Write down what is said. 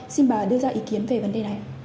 xin bà đưa ra ý kiến về vấn đề này